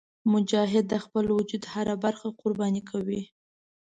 مجاهد د خپل وجود هره برخه قرباني کوي.